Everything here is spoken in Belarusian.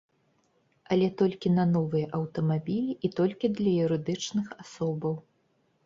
Але толькі на новыя аўтамабілі і толькі для юрыдычных асобаў.